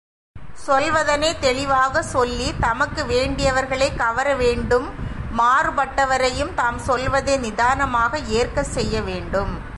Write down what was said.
சொல்வதனைத் தெளிவாகச் சொல்லித் தமக்கு வேண்டிவர்களைக் கவர வேண்டும் மாறுபட்டவரையும் தாம் சொல்வதை நிதானமாக ஏற்கச் செய்ய வேண்டும்.